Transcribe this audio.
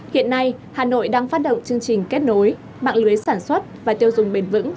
hiện nay hà nội đang phát động chương trình kết nối mạng lưới sản xuất và tiêu dùng bền vững